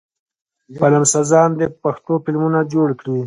فلمسازان دې په پښتو فلمونه جوړ کړي.